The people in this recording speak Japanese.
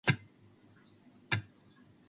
君の夢を応援しているよ